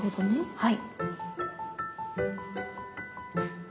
はい。